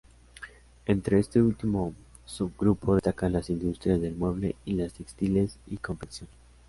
Entre este último subgrupo destacan las industrias del mueble y las textiles y confección.